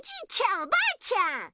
おばあちゃん！